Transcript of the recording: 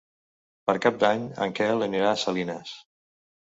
Per Cap d'Any en Quel anirà a Salines.